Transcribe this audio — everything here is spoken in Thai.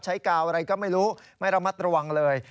กาวอะไรก็ไม่รู้ไม่ระมัดระวังเลย